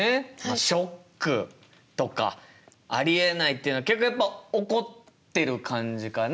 ショックとかありえないっていうのは結局やっぱ怒ってる感じかな？